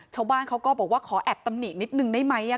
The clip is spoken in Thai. ชาวบ้านเขาก็บอกว่าขอแอบตำหนินิดนึงได้ไหม